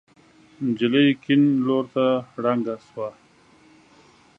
نجلۍ کيڼ لور ته ړنګه شوه.